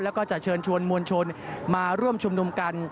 แล้วก็จะเชิญชวนมวลชนมาร่วมชุมนุมกัน